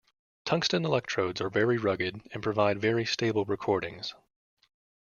Tungsten electrodes are very rugged and provide very stable recordings.